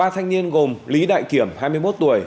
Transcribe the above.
ba thanh niên gồm lý đại kiểm hai mươi một tuổi